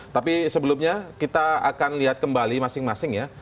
tapi sebelumnya kita akan lihat kembali masing masing ya